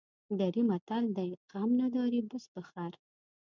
دري متل دی: غم نداری بز بخر.